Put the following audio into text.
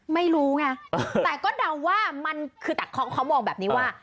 ไม่รู้ไงแต่ก็เดาว่ามันคือแต่เขามองแบบนี้ว่า